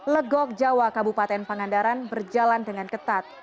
legok jawa kabupaten pangandaran berjalan dengan ketat